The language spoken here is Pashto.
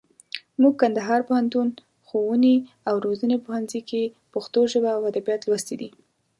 موږ کندهار پوهنتون، ښووني او روزني پوهنځي کښي پښتو ژبه او اودبيات لوستي دي.